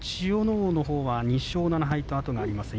皇のほうは２勝７敗と後がありません。